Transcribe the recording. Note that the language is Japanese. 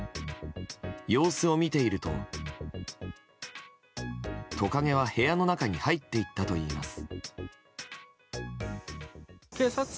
様子を見ているとトカゲは部屋の中に入っていったといいます。